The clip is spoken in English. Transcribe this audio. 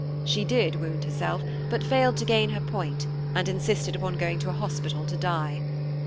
She did wound herself, but failed to gain her point and insisted upon going to a hospital to die.